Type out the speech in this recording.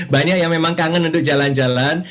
banyak yang memang kangen untuk jalan jalan